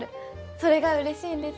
それがうれしいんです。